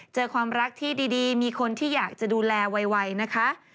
ความรักที่ดีมีคนที่อยากจะดูแลไวนะคะ